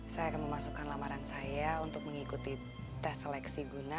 saya akan memasukkan lamaran saya untuk mengikuti tes seleksi guna